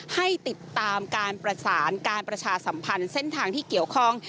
ให้ติดตามการประสานการประชาสัมพันธ์เส้นทางที่เกี่ยวข้อง